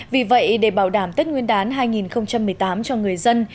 vì vậy để bảo đảm tết nguyên đán hai nghìn một mươi tám cho người dân